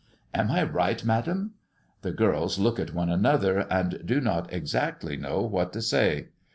Am I right, madam?" The girls look at one another, and do not exactly know what to say.